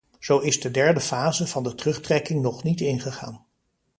Zo is de derde fase van de terugtrekking nog niet ingegaan.